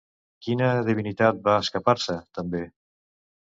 Quina divinitat va escapar-se, també?